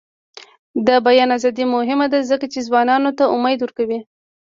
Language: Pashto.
د بیان ازادي مهمه ده ځکه چې ځوانانو ته امید ورکوي.